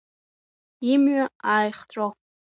Имҩа ааихҵәо.